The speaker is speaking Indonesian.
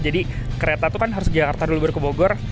jadi kereta itu kan harus ke jakarta dulu baru ke bogor